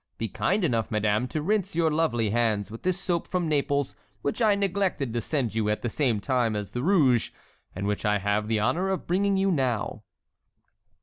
Be kind enough, madame, to rinse your lovely hands with this soap from Naples which I neglected to send you at the same time as the rouge, and which I have the honor of bringing you now."